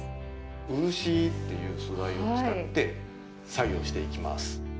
漆という素材を使って作業していきます。